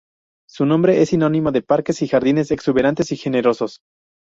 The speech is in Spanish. Su nombre es sinónimo de parques y jardines exuberantes y generosos.